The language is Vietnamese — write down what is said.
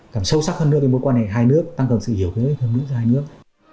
càng sâu sắc hơn nữa đến một quan hệ hai nước tăng cường sự hiểu kỹ hơn nữa cho hai nước